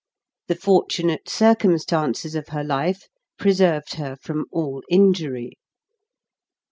The fortunate circumstances of her life preserved her from all injury.